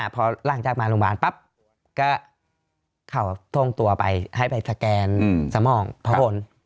พอหลังจากมาโรงพยาบาลปั๊บก็เขาท่วงตัวไปให้ไปสแกนสมองข้างบน